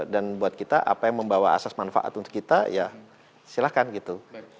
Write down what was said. dan buat kita apa yang membawa asas manfaat untuk kita ya silahkan gitu